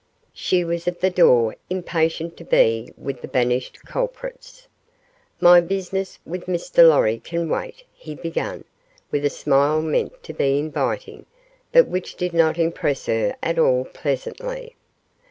She was at the door, impatient to be with the banished culprits. "My business with Mr. Lorry can wait," he began, with a smile meant to be inviting, but which did not impress her at all pleasantly.